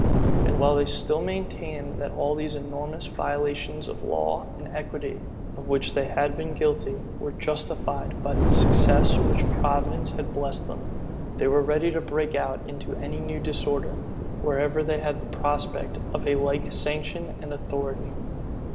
And while they still maintained, that all those enormous violations of law and equity, of which they had been guilty, were justified by the success with which providence had blessed them; they were ready to break out into any new disorder, wherever they had the prospect of a like sanction and authority.